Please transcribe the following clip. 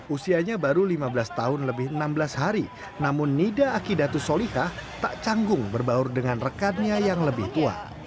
usianya baru lima belas tahun lebih enam belas hari namun nida akidatu solihah tak canggung berbaur dengan rekannya yang lebih tua